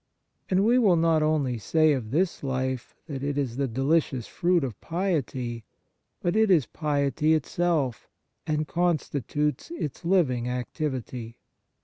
And we will not only say of this life that it is the delicious fruit of piety, but it is piety itself, and constitutes its living activity.